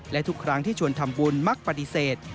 และทุกครั้งที่ชวนทำบุญมักปฏิเสธ